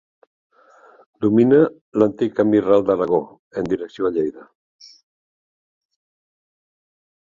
Domina l'antic camí ral d'Aragó, en direcció a Lleida.